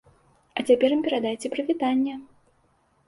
А цяпер ім перадайце прывітанне.